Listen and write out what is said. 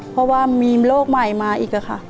เพราะว่ามีโรคใหม่มาอีกค่ะ